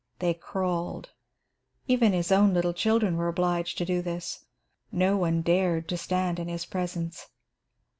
They crawled. Even his own little children were obliged to do this. No one dared to stand in his presence.